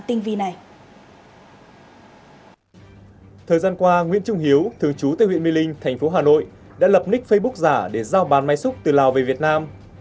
thời gian qua nguyễn trung hiếu thường trú tại huyện mê linh thành phố hà nội đã lập nick facebook giả để giao bán máy xúc từ lào về việt nam